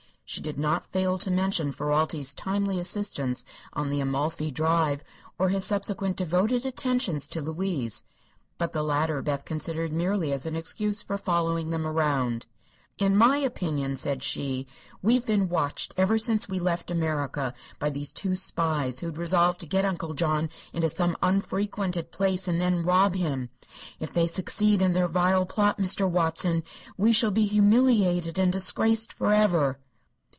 She did not fail to mention Ferralti's timely assistance on the Amalfi drive, or his subsequent devoted attentions to Louise; but the latter Beth considered merely as an excuse for following them around. "In my opinion," said she, "we have been watched ever since we left America, by these two spies, who had resolved to get Uncle John into some unfrequented place and then rob him. If they succeed in their vile plot, Mr. Watson, we shall be humiliated and disgraced forever."